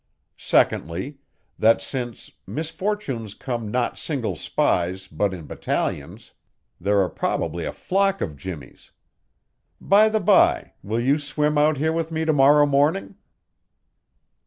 Secondly, that since 'misfortunes come not single spies, but in battalions,' there are probably a flock of Jimmies. By the by, will you swim out here with me to morrow morning?"